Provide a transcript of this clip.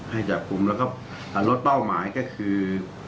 ให้จับกลุ่มแล้วก็ลดเป้าหมายก็คือ